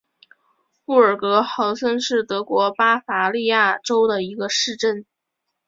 布尔格豪森是德国巴伐利亚州的一个市镇。